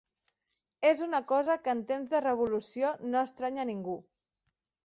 És una cosa que en temps de revolució no estranya a ningú.